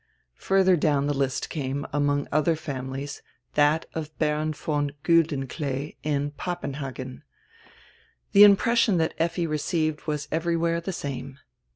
Further down the list came, among other families, that of Baron von Guldenklee in Papenhagen. The impression that Effi received was everywhere the same.